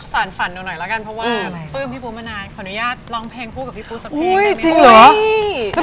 สารฝันหนูหน่อยแล้วกัน